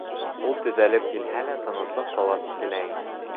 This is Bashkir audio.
Ул төҙәлеп килһә лә, тыныслыҡ талап ителә ине.